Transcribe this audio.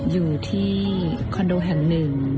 อยู่ที่คอนโดแห่งหนึ่ง